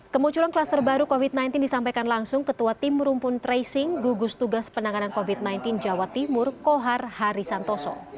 kemunculan kluster baru covid sembilan belas disampaikan langsung ketua tim rumpun tracing gugus tugas penanganan covid sembilan belas jawa timur kohar harisantoso